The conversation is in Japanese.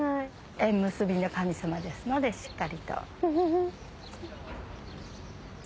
縁結びの神様ですのでしっかりと。